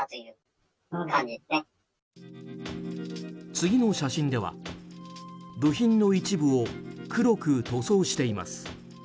次の写真では、部品の一部を黒く塗装しています。